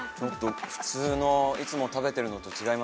普通のいつも食べてるのと違います。